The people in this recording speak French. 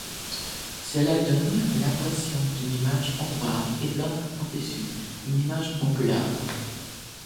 Cela donne l'impression d'une image en noir et blanc par-dessus une image en couleur.